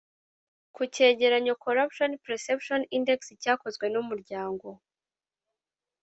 ku cyegeranyo corruption perception index cyakozwe n umuryango